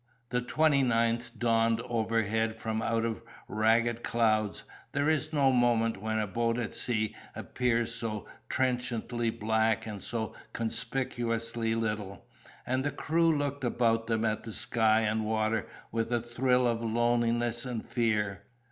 The twenty ninth dawned overhead from out of ragged clouds; there is no moment when a boat at sea appears so trenchantly black and so conspicuously little; and the crew looked about them at the sky and water with a thrill of loneliness and fear.